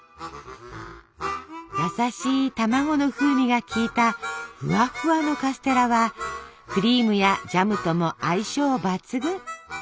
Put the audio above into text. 優しい卵の風味が利いたフワフワのカステラはクリームやジャムとも相性抜群。